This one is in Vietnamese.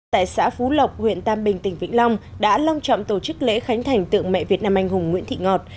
tại xã phú lộc huyện tam bình tỉnh vĩnh long đã long trọng tổ chức lễ khánh thành tượng mẹ việt nam anh hùng nguyễn thị ngọt